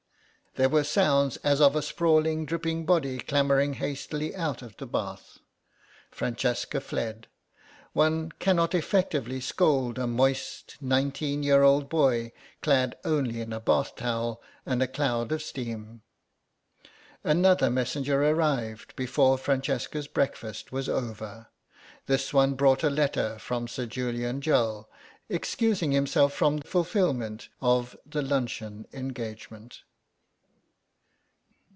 There were sounds as of a sprawling dripping body clambering hastily out of the bath. Francesca fled. One cannot effectively scold a moist nineteen year old boy clad only in a bath towel and a cloud of steam. Another messenger arrived before Francesca's breakfast was over. This one brought a letter from Sir Julian Jull, excusing himself from fulfilment of the luncheon engagement.